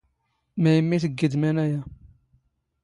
ⵎⴰⵢⵎⵎⵉ ⵜⴳⴳⵉⴷ ⵎⴰⵏ ⴰⵢⴰ?